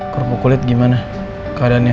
kormokulit gimana keadaannya